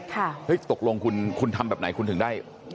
ตกลงคุณทำแบบไหนคุณถึงได้